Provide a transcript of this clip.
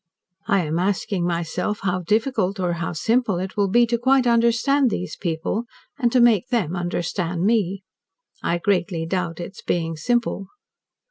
I am asking myself how difficult, or how simple, it will be to quite understand these people, and to make them understand me. I greatly doubt its being simple.